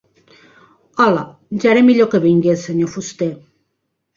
Hola, ja era millor que vingués, senyor fuster.